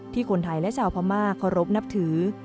ที่คนไทยและชาวพม่าขอรบนับถือ